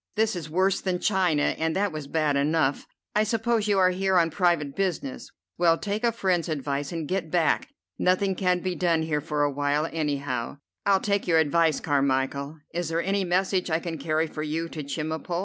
This is worse than China, and that was bad enough. I suppose you are here on private business. Well, take a friend's advice and get back. Nothing can be done here for a while, any how." "I'll take your advice, Carmichel. Is there any message I can carry for you to Chemulpo?"